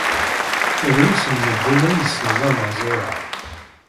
Drus n medden ay yessnen anaẓur-a.